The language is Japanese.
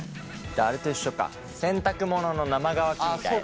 あれと一緒か洗濯物の生乾きみたいなね。